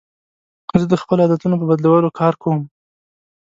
زه د خپلو عادتونو په بدلولو کار کوم.